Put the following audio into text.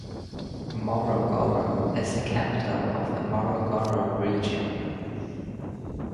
Morogoro is the capital of the Morogoro Region.